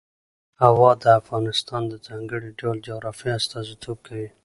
هوا د افغانستان د ځانګړي ډول جغرافیه استازیتوب کوي.